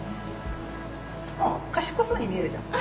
あっ賢そうに見えるじゃん。